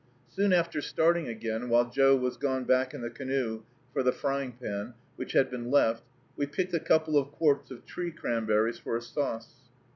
Soon after starting again, while Joe was gone back in the canoe for the frying pan, which had been left, we picked a couple of quarts of tree cranberries for a sauce.